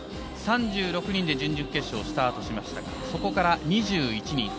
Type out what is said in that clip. ３６人で準々決勝スタートしましたがそこから２１人。